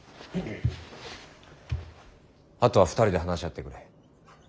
あとは２人で話し合ってくれ。